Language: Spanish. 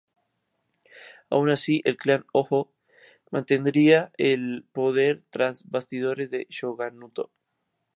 Aun así, el clan Hōjō mantendría el poder tras bastidores del shogunato.